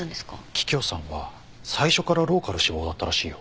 桔梗さんは最初からローカル志望だったらしいよ。